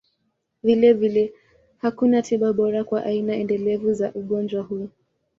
Vilevile, hakuna tiba bora kwa aina endelevu za ugonjwa huu.